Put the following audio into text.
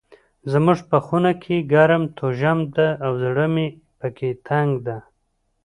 زموږ په خونه کې ګرم توژم ده او زړه مې پکي تنګ ده.